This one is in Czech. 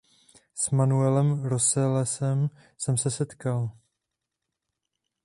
S Manuelem Rosalesem jsem se setkal.